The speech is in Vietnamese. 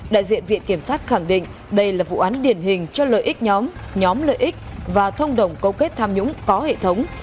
đại diện viện kiểm sát khẳng định đây là vụ án điển hình cho lợi ích nhóm nhóm lợi ích và thông đồng câu kết tham nhũng có hệ thống